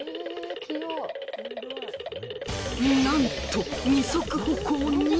なんと二足歩行に！